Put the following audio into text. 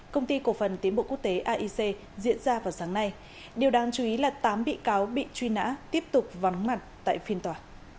công ty cổ phần tiến bộ quốc tế aic diễn ra vào sáng nay điều đáng chú ý là tám bị cáo bị truy nã tiếp tục vắng mặt tại phiên tòa